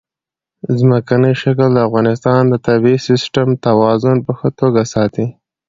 ځمکنی شکل د افغانستان د طبعي سیسټم توازن په ښه توګه ساتي.